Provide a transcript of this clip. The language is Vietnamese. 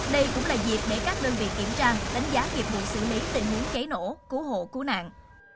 đây cũng là dịp để các đơn vị kiểm tra đánh giá nghiệp vụ xử lý tình huống cháy nổ cứu hộ cứu nạn